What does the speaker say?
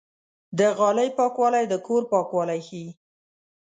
د غالۍ پاکوالی د کور پاکوالی ښيي.